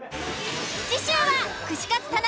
次週は「串カツ田中」